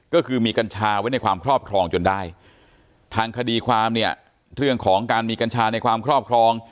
ก็คือมีกัญชาไว้ในความครอบครองจนได้ทางคดีความเนี่ยเรื่องของการมีกัญชาในความครอบครอง